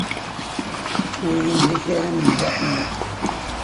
Wihin d akaram n Dda Ḥemmu.